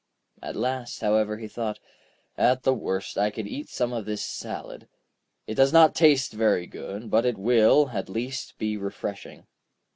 At last, however, he thought: 'At the worst, I can eat some of this salad; it does not taste very good, but it will, at least, be refreshing.'